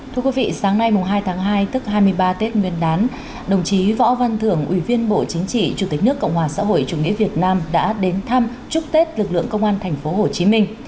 thưa quý vị sáng nay hai tháng hai tức hai mươi ba tết nguyên đán đồng chí võ văn thưởng ủy viên bộ chính trị chủ tịch nước cộng hòa xã hội chủ nghĩa việt nam đã đến thăm chúc tết lần thứ hai